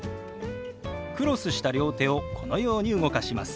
クロスした両手をこのように動かします。